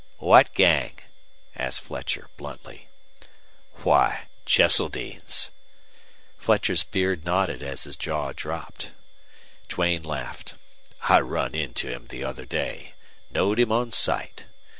"What gang?" asked Fletcher, bluntly. "Why, Cheseldine's." Fletcher's beard nodded as his jaw dropped. Duane laughed. "I run into him the other day. Knowed him on sight.